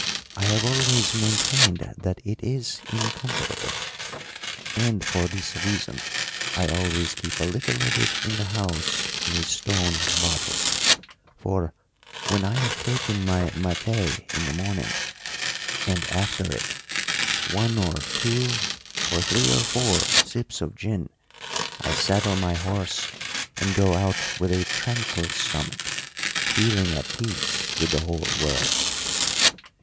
I have always maintained that it is incomparable. And for this reason I always keep a little of it in the house in a stone bottle; for, when I have taken my maté in the morning, and, after it, one or two or three or four sips of gin, I saddle my horse and go out with a tranquil stomach, feeling at peace with the whole world.